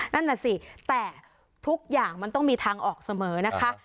นั่นน่ะสิแต่ทุกอย่างมันต้องมีทางออกเสมอนะคะ